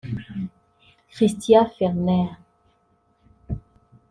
Christian Fellner